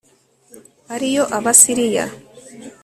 ari yo Abasiriya